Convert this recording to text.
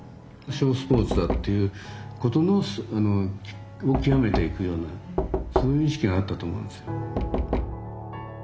ショースポーツだっていうことのを極めていくようなそういう意識があったと思うんですよ。